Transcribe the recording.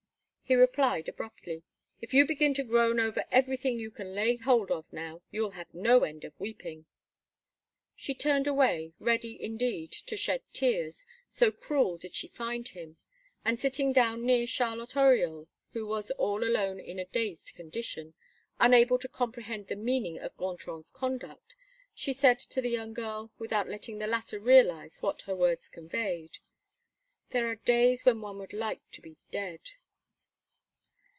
He replied abruptly: "If you begin to groan over everything you can lay hold of now, you'll have no end of weeping." She turned away, ready, indeed, to shed tears, so cruel did she find him, and, sitting down near Charlotte Oriol, who was all alone in a dazed condition, unable to comprehend the meaning of Gontran's conduct, she said to the young girl, without letting the latter realize what her words conveyed: "There are days when one would like to be dead."